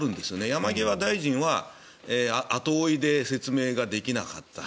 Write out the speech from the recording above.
山際大臣は後追いで説明ができなかった。